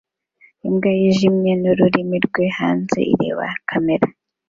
Imbwa yijimye nururimi rwe hanze ireba kamera